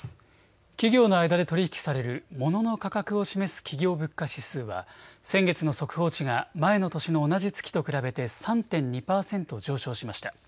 企業の間で取り引きされるモノの価格を示す企業物価指数は先月の速報値が前の年の同じ月と比べて３．２％上昇しました。